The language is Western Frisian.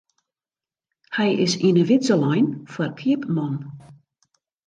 Hy is yn 'e widze lein foar keapman.